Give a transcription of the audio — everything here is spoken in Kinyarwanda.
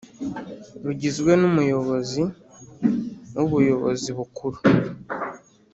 Bugizwe n umuyobozi w ubuyobozi bukuru